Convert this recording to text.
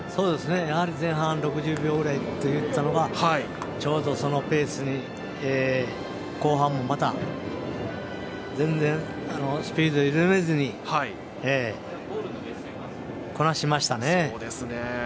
やはり前半６０秒台って言っていたのがちょうど、そのペースに後半もまた全然、スピード緩めずにこなしましたね。